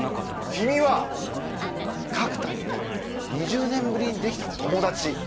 君は角田にとって２０年ぶりにできた友達。